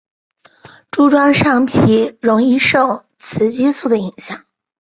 柱状上皮容易受雌激素的影响。